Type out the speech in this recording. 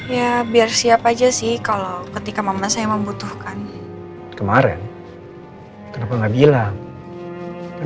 ya biar siap aja sih kalau ketika mama saya membutuhkan kemarin kenapa nggak bilang